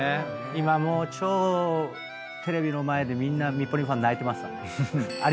今もうテレビの前でミポリンファン泣いてますわ。